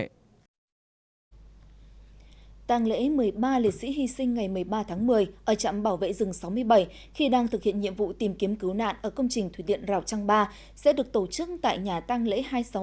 tàng lễ một mươi ba lịch sĩ hy sinh ngày một mươi ba tháng một mươi ở trạm bảo vệ rừng sáu mươi bảy khi đang thực hiện nhiệm vụ tìm kiếm cứu nạn ở công trình thủy điện rào trăng ba sẽ được tổ chức tại nhà tàng lễ hai trăm sáu mươi bảy